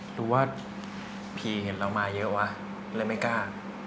ดูว่าผีเห็นเรามาเยอะวะเลยไม่กล้า